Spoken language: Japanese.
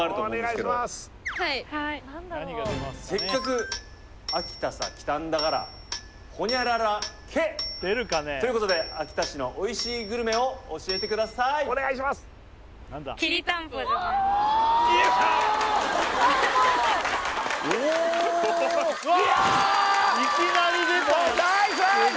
「○○け！」ということで秋田市のおいしいグルメを教えてくださいうわ！